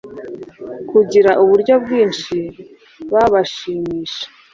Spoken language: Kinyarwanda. Kugira uburyo bwinshi babashimisha